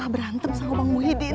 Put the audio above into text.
berantem sama wang muhyiddin